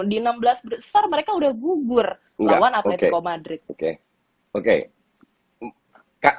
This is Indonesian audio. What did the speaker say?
di enam belas besar mereka udah gugur lawan atletico madrid